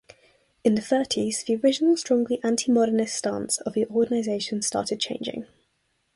In the thirties the original strongly anti-modernist stance of the organization started changing.